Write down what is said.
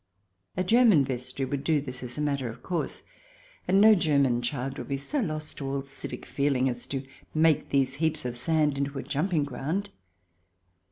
A German vestry would do this as a matter of course. And no German child would be so lost to all civic feeling as to make these heaps of sand into a jumping ground.